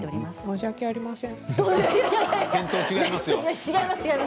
申し訳ありません。